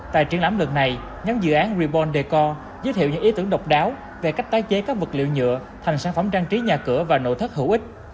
tại triển lãm lần này nhóm dự án reborn decor giới thiệu những ý tưởng độc đáo về cách tái chế các vật liệu nhựa thành sản phẩm trang trí nhà cửa và nội thất hữu ích